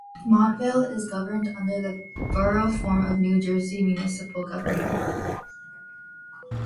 Montvale is governed under the Borough form of New Jersey municipal government.